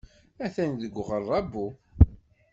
Atan deg uɣerrabu.